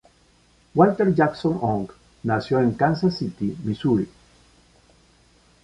Walter Jackson Ong nació en Kansas City, Missouri.